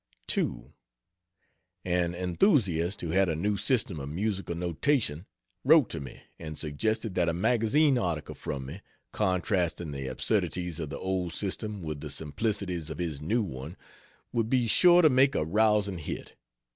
II An enthusiast who had a new system of musical notation, wrote to me and suggested that a magazine article from me, contrasting the absurdities of the old system with the simplicities of his new one, would be sure to make a "rousing hit."